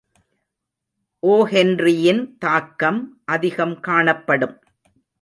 ஒஹென்றியின் தாக்கம் அதிகம் காணப்படும்.